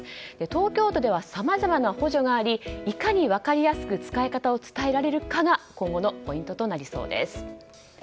東京都ではさまざまな補助がありいかに分かりやすく使い方を伝えられるかが今後のポイントとなりそうです。